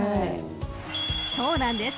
［そうなんです